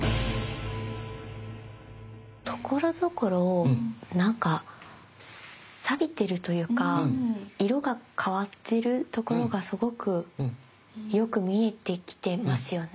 ところどころなんかさびてるというか色が変わってるところがすごくよく見えてきてますよね？